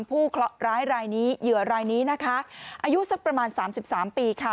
เคราะหร้ายรายนี้เหยื่อรายนี้นะคะอายุสักประมาณ๓๓ปีค่ะ